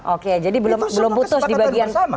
oke jadi belum putus di bagian